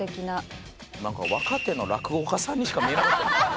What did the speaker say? なんか若手の落語家さんにしか見えなかった。